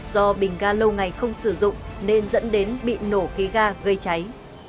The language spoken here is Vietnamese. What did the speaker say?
do bình ga lâu ngày không sử dụng nên dẫn đến bị nổ khí ga gây cháy